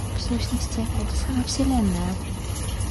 В сущности, это сама Вселенная.